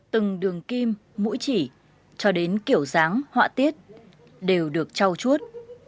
từng đường kim mũi chỉ cho đến kiểu dáng họa tiết đều được trao chuốt